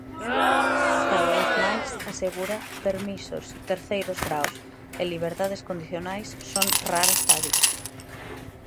Cada vez máis, asegura, permisos, terceiros graos e liberdades condicionais son "raras avis".